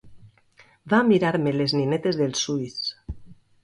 Va mirar-me les ninetes dels ulls.